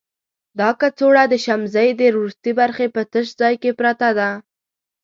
دا کڅوړه د شمزۍ د وروستي برخې په تش ځای کې پرته ده.